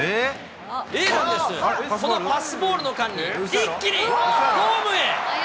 そうなんです、パスボールの間に一気にホームへ。